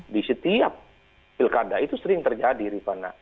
di setiap pilkada itu sering terjadi rifana